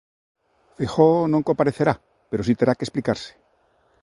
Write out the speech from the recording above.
Feijóo non comparecerá, pero si terá que explicarse.